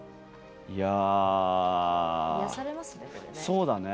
癒やされますね。